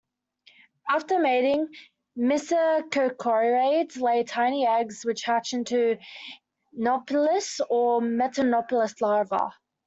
After mating, mystacocarids lay tiny eggs which hatch into a nauplius or metanauplius larva.